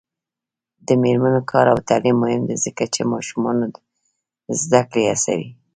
د میرمنو کار او تعلیم مهم دی ځکه چې ماشومانو زدکړې ته هڅوي.